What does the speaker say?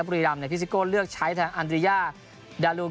ปุรีรำเนี้ยพิซิกโกเลือกใช้แทนอันดรียาดาลูก